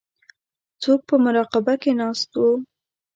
څوک په مراقبه کې ناست وو.